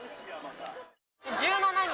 １７人。